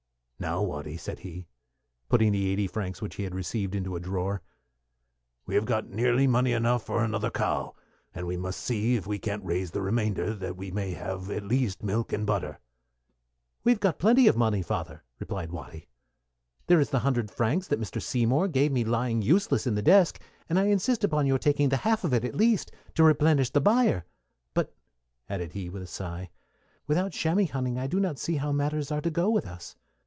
"Now, Watty," said he, putting the eighty francs which he had received into a drawer, "we have got nearly money enough for another cow, and we must see if we can't raise the remainder, that we may have at least milk and butter." "We have got plenty of money, father," replied Watty. "There is the hundred francs that Mr. Seymour gave me lying useless in the desk, and I insist upon your taking the half of it at least, to replenish the byre. But," added he, with a sigh, "without chamois hunting I do not see how matters are to go with us.